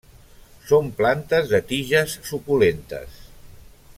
Són plantes de tiges suculentes.